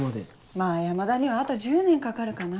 まぁ山田にはあと１０年かかるかな。